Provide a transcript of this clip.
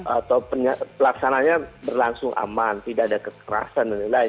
atau pelaksananya berlangsung aman tidak ada kekerasan dan lain lain